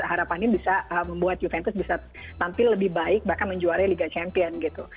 harapannya bisa membuat juventus bisa tampil lebih baik bahkan menjuari liga champion gitu